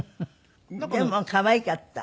でも可愛かった。